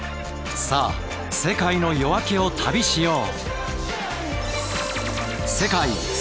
さあ世界の夜明けを旅しよう！